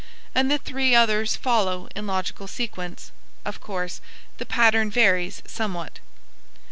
and the three others follow in logical sequence. Of course, the pattern varies somewhat.